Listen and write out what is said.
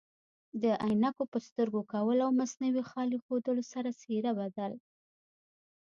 د عینکو په سترګو کول او مصنوعي خال ایښودلو سره څیره بدل